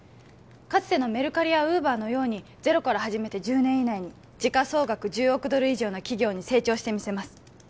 かつてのメルカリやウーバーのようにゼロから始めて１０年以内に時価総額１０億ドル以上の企業に成長してみせます